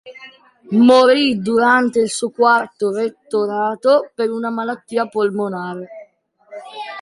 Morì durante il suo quarto rettorato per una malattia polmonare.